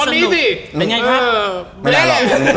เราจะทำตอนนี้สิ